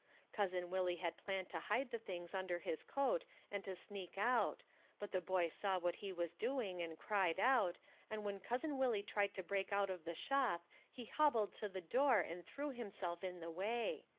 Cousin Willie had planned to hide the things under his coat and to sneak out but the boy saw what he was doing and cried out, and when Cousin Willie tried to break out of the shop he hobbled to the door and threw himself in the way.